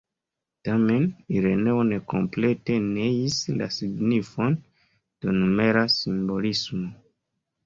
Tamen Ireneo ne komplete neis la signifon de numera simbolismo.